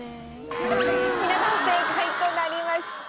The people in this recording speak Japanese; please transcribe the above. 皆さん不正解となりました。